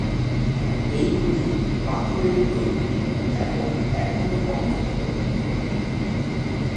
এইগুলি পাথরের তৈরি এবং এখনও অক্ষত।